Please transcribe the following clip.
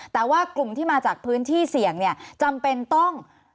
แต่ว่ากลุ่มที่มาจากพื้นที่เสี่ยงเนี่ยจำเป็นต้อง